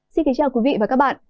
xin kính chào quý vị và các bạn